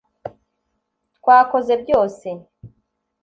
twakoze byose